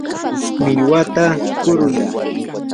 millwata kuruy.